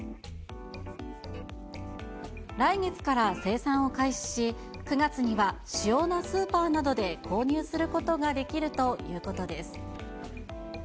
来月から生産を開始し、９月には主要なスーパーなどで購入することができるということです。